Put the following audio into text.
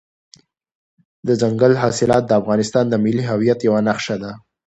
دځنګل حاصلات د افغانستان د ملي هویت یوه نښه ده.